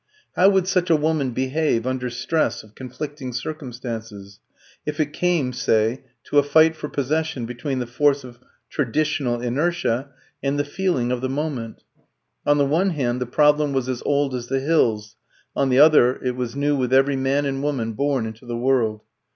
How would such a woman behave under stress of conflicting circumstances? if it came, say, to a fight for possession between the force of traditional inertia and the feeling of the moment? On the one hand the problem was as old as the hills, on the other it was new with every man and woman born into the world.